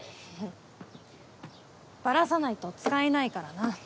バラさないと使えないからな。